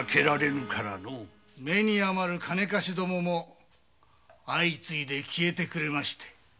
目に余る金貸しどもも相次いで消えてくれまして。